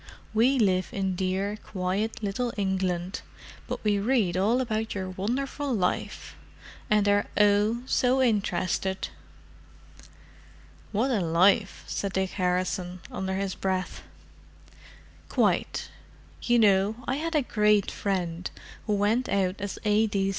We live in dear, quiet little England, but we read all about your wonderful life, and are oh! so interested." "What a life!" said Dick Harrison, under his breath. "Quite. You know, I had a great friend who went out as A.